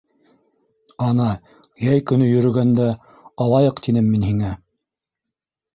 - Ана йәй көнө йөрөгәндә, алайыҡ, тинем мин һиңә.